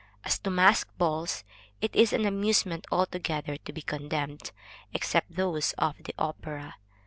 As to masked balls, it is an amusement altogether to be condemned, except those of the Opera.